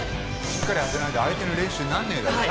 しっかり当てないと相手の練習になんねえだろ。